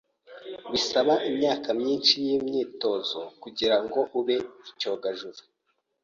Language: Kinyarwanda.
Bisaba imyaka myinshi yimyitozo kugirango ube icyogajuru.